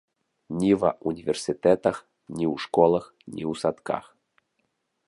Ні ва ўніверсітэтах, ні ў школах, ні ў садках!